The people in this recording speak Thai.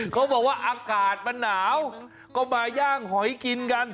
เขาบอกว่าอากาศมันหนาวก็มาย่างหอยกินกัน